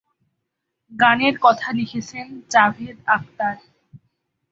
গানের কথা লিখেছেন জাভেদ আখতার।